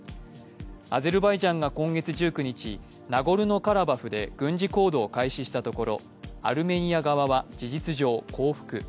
アゼルバイジャンが今月１９日、ナゴルノ・カラバフで軍事行動を開始したところアルメニア側は事実上、降伏。